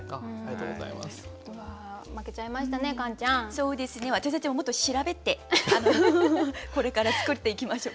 そうですね私たちももっと調べてこれから作っていきましょう。